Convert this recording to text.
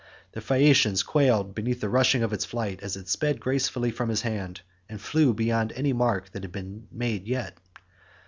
The Phaeacians quailed beneath the rushing of its flight as it sped gracefully from his hand, and flew beyond any mark that had been made yet.